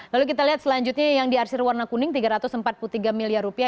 lalu kita lihat selanjutnya yang diarsir warna kuning tiga ratus empat puluh tiga miliar rupiah